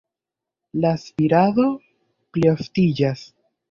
La spirado plioftiĝas.